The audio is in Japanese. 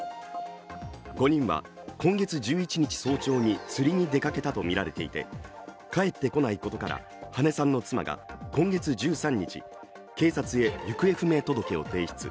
５人は今月１１日早朝に釣りに出かけたとみられていて帰ってこないことから羽根さんの妻が今月１３日、警察へ行方不明届を提出。